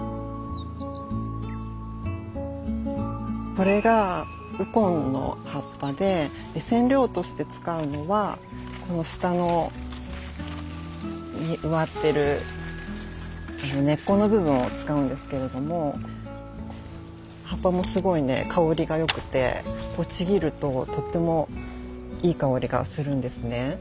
これがウコンの葉っぱでで染料として使うのはこの下の植わってる根っこの部分を使うんですけれども葉っぱもすごいね香りが良くてこうちぎるととってもいい香りがするんですね。